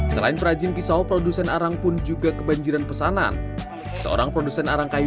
selain perajin pisau produsen arang pun juga kebanjiran pesanan seorang produsen arang kayu